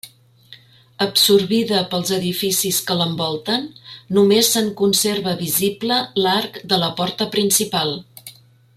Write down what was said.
Absorbida pels edificis que l'envolten, només se'n conserva visible l'arc de la porta principal.